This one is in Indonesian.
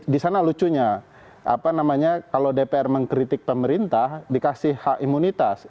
di sana lucunya kalau dpr mengkritik pemerintah dikasih hak imunitas